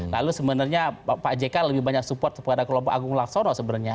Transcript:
lalu sebenarnya pak jk lebih banyak support kepada kelompok agung laksono sebenarnya